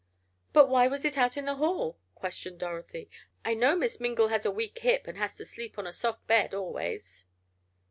"But why was it out in the hall?" questioned Dorothy. "I know Miss Mingle has a weak hip and has to sleep on a soft bed, always."